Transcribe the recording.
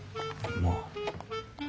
まあ。